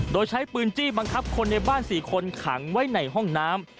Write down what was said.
โดยใช้ปืนจี้บังคับคนในบ้าน๔คนขังไว้ในห้องน้ำ